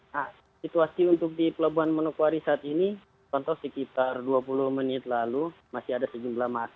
nah situasi untuk di pelabuhan manokwari saat ini contoh sekitar dua puluh menit lalu masih ada sejumlah masalah